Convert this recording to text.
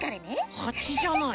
ハチじゃない。